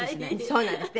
そうなんですって。